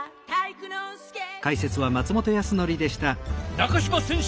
中島選手